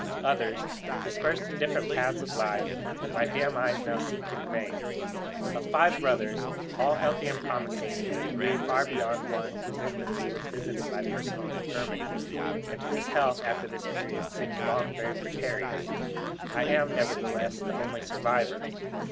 Others, dispersed in different paths of life,'my dim eyes now seek for in vain.' Of five brothers, all healthy and promising in a degree far beyond one whose infancy was visited by personal infirmity, and whose health after this period seemed long very precarious, I am, nevertheless, the only survivor.